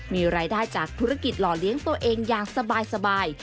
มีรายได้จากธุรกิจหล่อเลี้ยงตัวเองอย่างสบาย